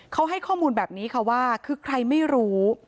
เขาให้ข้อมูลแบบนี้ค่ะว่าคือใครไม่รู้